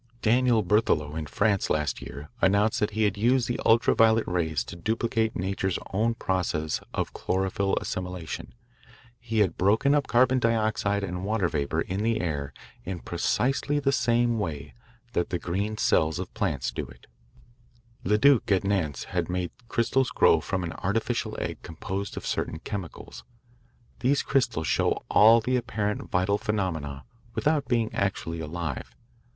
Daniel Berthelot in France last year announced that he had used the ultra violet rays to duplicate nature's own process of chlorophyll assimilation. He has broken up carbon dioxide and water vapour in the air in precisely the same way that the green cells of plants do it. Leduc at Nantes has made crystals grow from an artificial egg composed of certain chemicals. These crystals show all the apparent vital phenomena without being actually alive.